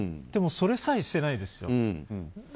でも、それさえしてないですよ。